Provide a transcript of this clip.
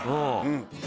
うん。